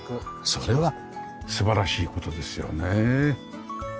それは素晴らしい事ですよね。